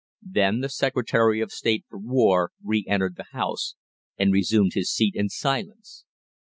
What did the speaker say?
Then the Secretary of State for War re entered the House and resumed his seat in silence.